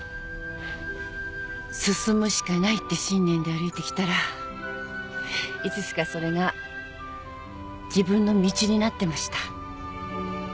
進むしかないって信念で歩いてきたらいつしかそれが自分の道になってました。